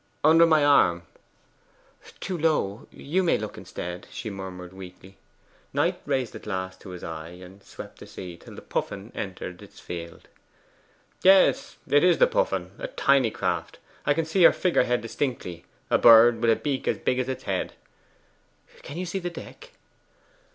'Under my arm.' 'Too low. You may look instead,' she murmured weakly. Knight raised the glass to his eye, and swept the sea till the Puffin entered its field. 'Yes, it is the Puffin a tiny craft. I can see her figure head distinctly a bird with a beak as big as its head.' 'Can you see the deck?